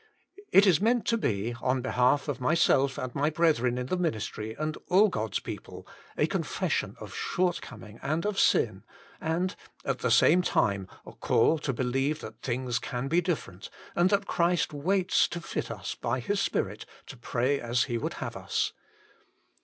It is meant to be, on behalf of myself and my brethren in the ministry and all God s people, a confession of shortcoming and of sin, and, at the same time, a call to believe that things can be different, and that Christ waits to fit us by His Spirit to pray as He would have us.